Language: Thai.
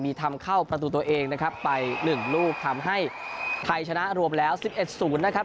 มีทำเข้าประตูตัวเองนะครับไป๑ลูกทำให้ไทยชนะรวมแล้ว๑๑๐นะครับ